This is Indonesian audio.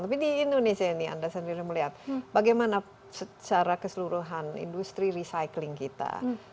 tapi di indonesia ini anda sendiri melihat bagaimana secara keseluruhan industri recycling kita